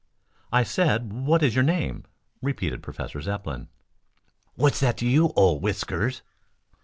"I said what is your name?" repeated Professor Zepplin. "What's that to you, old Whiskers?"